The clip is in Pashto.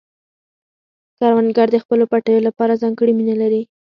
کروندګر د خپلو پټیو لپاره ځانګړې مینه لري